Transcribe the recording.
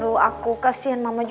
gue mau ke rumah